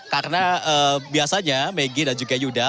karena biasanya meggy dan juga yuda